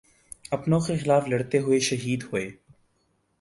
اپنوں کیخلاف لڑتے ہوئے شہید ہوئے